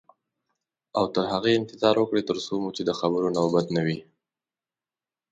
او تر هغې انتظار وکړئ تر څو مو چې د خبرو نوبت نه وي.